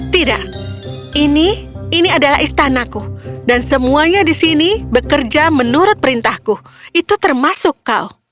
tidak ini ini adalah istanaku dan semuanya di sini bekerja menurut perintahku itu termasuk kau